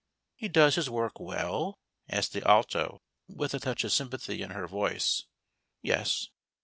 " He does his work well ?" asked the Alto, with a touch of sympathy in her voice. " Yes."